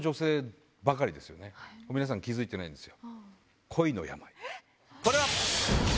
皆さん気付いてないんですよ。